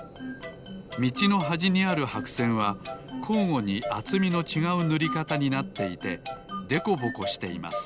みちのはじにあるはくせんはこうごにあつみのちがうぬりかたになっていてでこぼこしています。